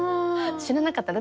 知らなかった。